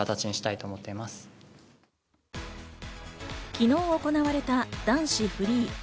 昨日行われた男子フリー。